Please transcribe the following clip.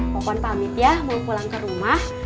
pohon pamit ya mau pulang ke rumah